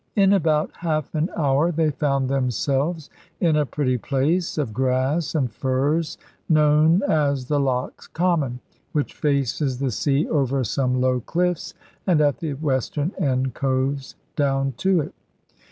In about half an hour they found themselves in a pretty place of grass and furze known as the Lock's Common, which faces the sea over some low cliffs, and at the western end coves down to it.